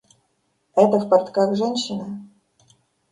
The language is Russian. Эта в портках женщина?